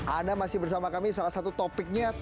anda masih bersama kami salah satu topiknya